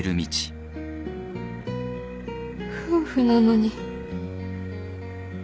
夫婦なのに。